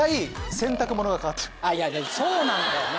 ⁉そうなんだよね！